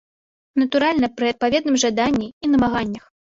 Натуральна, пры адпаведным жаданні і намаганнях.